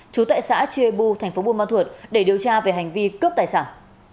chú tại xã chê bu thành phố buôn ma thuột để điều tra về hành vi cướp tài sản